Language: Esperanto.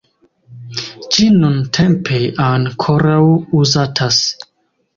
Ĝi nuntempe ankoraŭ uzatas.